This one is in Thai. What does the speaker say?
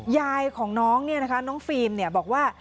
ยายของน้องเนี่ยนะคะน้องฟิล์มบอกว่า